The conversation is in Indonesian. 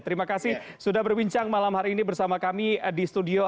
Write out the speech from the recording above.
terima kasih sudah berbincang malam hari ini bersama kami di studio